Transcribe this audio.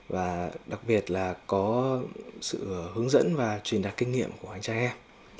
và đặc biệt là có sự hướng dẫn và truyền đạt kinh nghiệm của anh trai em